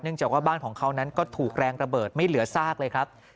จากว่าบ้านของเขานั้นก็ถูกแรงระเบิดไม่เหลือซากเลยครับ